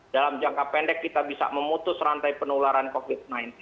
dalam jangka pendek kita bisa memutus rantai penularan covid sembilan belas